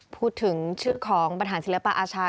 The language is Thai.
พูดถึงชื่อของบรรหารศิลปะอาชา